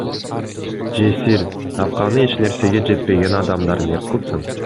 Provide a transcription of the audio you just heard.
Жесир, тапканы эч нерсеге жетпеген адамдар не кылсын?